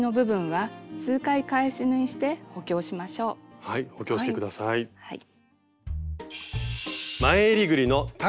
はい補強して下さい。